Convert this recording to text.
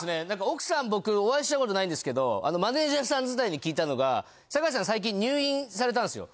奥さん僕お会いしたことないんですけどマネージャーさん伝いに聞いたのが坂井さん最近入院されたんですよ。